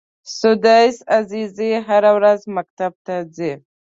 سُدیس عزیزي هره ورځ مکتب ته ځي.